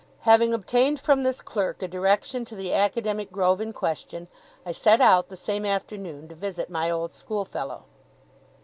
Having obtained from this clerk a direction to the academic grove in question, I set out, the same afternoon, to visit my old schoolfellow.